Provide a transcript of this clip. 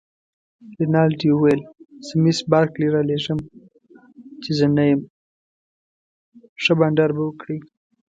رینالډي وویل: زه مس بارکلي رالېږم، چي زه نه یم، ښه بانډار به وکړئ.